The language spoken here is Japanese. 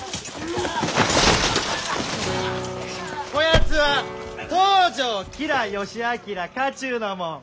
こやつは東条吉良義昭家中のもん。